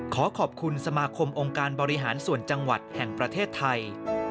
ขอขอบคุณสมาคมองค์การบริหารส่วนจังหวัดแห่งประเทศไทย